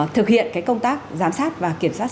thực hiện công tác giám sát và kiểm soát